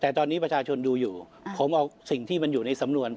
แต่ตอนนี้ประชาชนดูอยู่ผมเอาสิ่งที่มันอยู่ในสำนวน